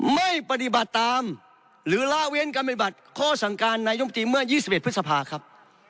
ไม่ปฏิบัติตามหรือล้าเว้นการปฏิบัติข้อสั่งการในยกตีเมื่อยี่สิบเอ็ดพฤษภาครับ